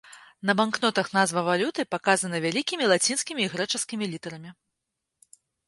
На банкнотах назва валюты паказана вялікімі лацінскімі і грэчаскімі літарамі.